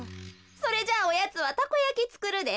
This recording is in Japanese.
それじゃあおやつはたこやきつくるで。